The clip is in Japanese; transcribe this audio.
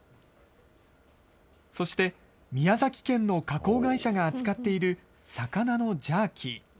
そして、宮崎県の加工会社が扱っている魚のジャーキー。